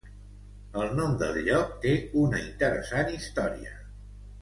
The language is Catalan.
El nom del lloc té una interessant història.